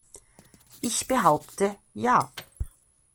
Ich behaupte, ja.